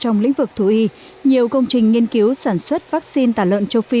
phòng chống dịch tả lợn châu phi nhiều công trình nghiên cứu sản xuất vắc xin tả lợn châu phi